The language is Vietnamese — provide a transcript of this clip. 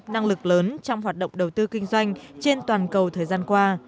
năng lực lớn trong hoạt động đầu tư kinh doanh trên toàn cầu thời gian qua